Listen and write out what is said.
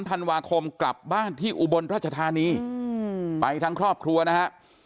ธันวาคมกลับบ้านที่อุบลราชธานีไปทั้งครอบครัวนะฮะ